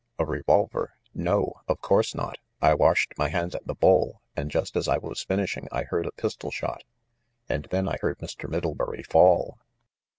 "A revolver? No! Of course not! I washed my hands at the bowl, and just as I was finishing I heard a pistol shot, and then I heard Mr. Middlebury fall."